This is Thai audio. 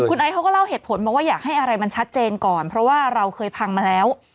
คุณไอซ์เขาก็เล่าเหตุผลบอกว่าอยากให้อะไรมันชัดเจนก่อนเพราะว่าเราเคยพังมาแล้ว